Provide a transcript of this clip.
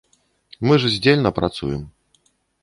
Мы ж здзельна працуем.